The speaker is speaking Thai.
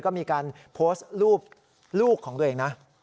ก็มีการโพสต์รูปลูกของตัวเองนะ